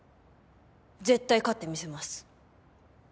絶対勝ってみせます。